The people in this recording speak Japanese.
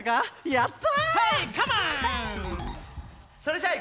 やった！